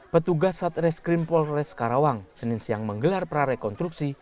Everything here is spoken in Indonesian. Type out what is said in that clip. petugas satreskrim polres karawang senin siang menggelar prarekonstruksi